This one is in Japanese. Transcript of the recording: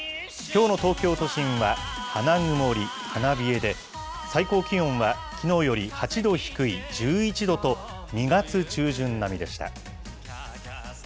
きょうの東京都心は花曇り、花冷えで、最高気温はきのうより８度低い、１１度と、２月中旬並みでした。